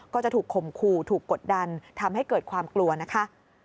ก็จะถูกข่มขู่ถูกกดดันทำให้เกิดความกลัวนะคะ